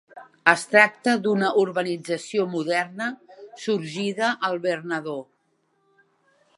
Es tracta d'una urbanització moderna sorgida al Bernadó.